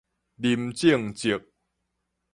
林政則